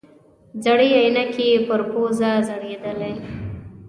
زړې عینکې یې پر پوزه ځړېدلې.